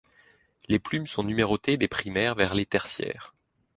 Les plumes sont numérotées des primaires vers les tertiaires.